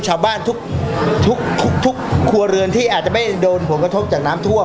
ชาวบ้านทุกครัวเรือนที่อาจจะไม่โดนผลกระทบจากน้ำท่วม